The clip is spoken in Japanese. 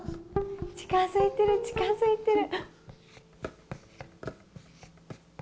近づいてる近づいてる。